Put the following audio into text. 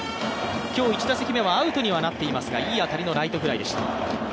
今日１打席目はアウトにはなっていますがいい当たりのライトフライでした。